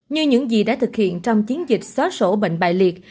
như những gì đã thực hiện trong chiến dịch xóa sổ bệnh bài liệt